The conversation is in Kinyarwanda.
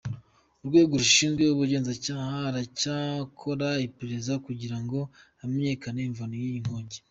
Urwego rushinzwe ubugenzacyaha ruracyakora iperereza kugira ngo hamenyekane imvano y’iyi nkongi.